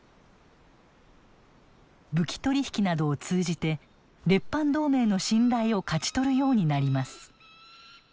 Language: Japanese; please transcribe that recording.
武器取り引きなどを通じて列藩同盟の信頼を勝ち取るようになります。